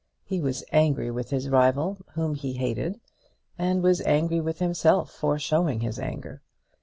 He was angry with this rival, whom he hated, and was angry with himself for showing his anger.